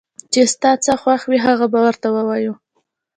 چې ستا څه خوښ وي هغه به ورته ووايو